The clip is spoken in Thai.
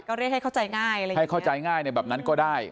ก็เรียกให้เข้าใจง่ายให้เข้าใจง่ายแบบนั้นก็ได้